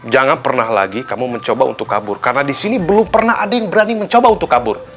jangan pernah lagi kamu mencoba untuk kabur karena di sini belum pernah ada yang berani mencoba untuk kabur